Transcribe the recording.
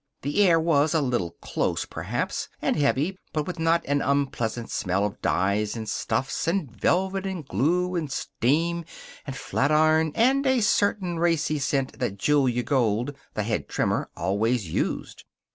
The air was a little close, perhaps, and heavy, but with a not unpleasant smell of dyes and stuffs and velvet and glue and steam and flatiron and a certain racy scent that Julia Gold, the head trimmer, always used.